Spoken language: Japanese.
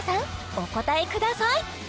お答えください！